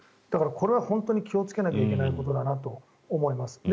これは本当に気をつけないといけないことだと思います。